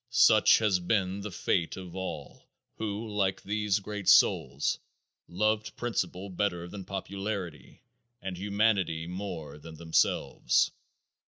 Such has been the fate of all who, like these great souls, loved principle better than popularity and humanity more than themselves.